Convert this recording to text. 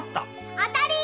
当たりー！